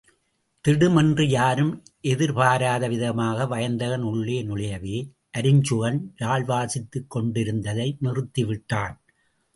திடும் என்று யாரும் எதிர்பாராத விதமாக வயந்தகன் உள்ளே நுழையவே, அருஞ்சுகன் யாழ் வாசித்துக் கொண்டிருந்ததை நிறுத்திவிட்டான்.